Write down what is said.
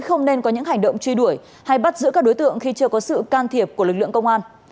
không nên có những hành động truy đuổi hay bắt giữ các đối tượng khi chưa có sự can thiệp của lực lượng công an